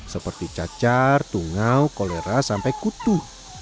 seperti cacar tungau kolera sampai kutu